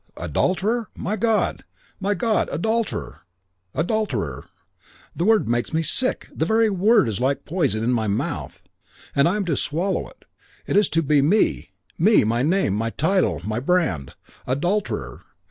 Adulterer! My God, my God, adulterer! The word makes me sick. The very word is like poison in my mouth. And I am to swallow it. It is to be me, me, my name, my title, my brand. Adulterer!